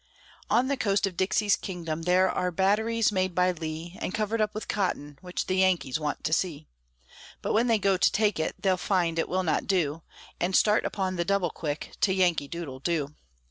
On the coast of Dixie's kingdom there are batteries made by Lee, And covered up with cotton, which the Yankees want to see; But when they go to take it, they'll find it will not do, And start upon the "double quick" to "Yankee doodle doo."